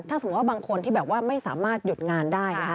ถ้าสมมติว่าบางคนที่ไม่สามารถหยุดงานได้